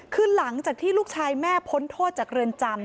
คือหลังจากที่ลูกชายแม่พ้นโทษจากเรือนจำ